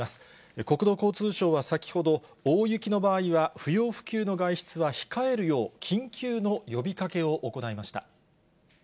国土交通省は先ほど、大雪の場合は不要不急の外出は控えるよう、緊急の呼びかけを行いました。